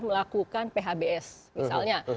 melakukan phbs misalnya